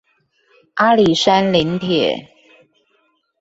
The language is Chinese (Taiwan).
阿里山林鐵